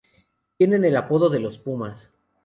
Tienen el apodo de los Pumas.